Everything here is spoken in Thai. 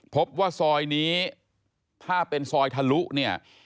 พบว่าซอยนี้ถ้าเป็นซอยทะลุเนี่ย